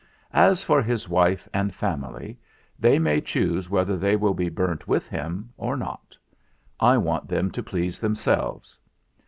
As for his wife and family, they may choose whether they will be burnt with him or not. I want them to please themselves.